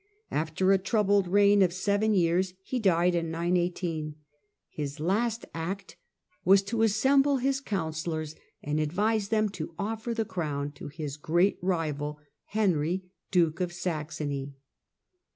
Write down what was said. After a troubled reign of seven years, he died in 918. His last act was to assemble his councillors and advise them to offer the crown to his great rival, Henry, Duke of Saxony.